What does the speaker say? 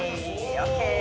ＯＫ。